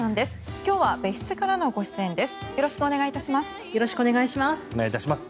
今日は別室からのご出演です。